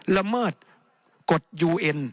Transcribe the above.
ละเมิดกฎยูเอ็น